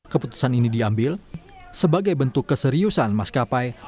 keputusan ini diambil sebagai bentuk keseriusan maskapai